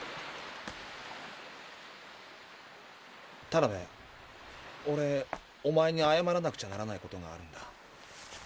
タナベオレおまえにあやまらなくちゃならないことがあるんだ。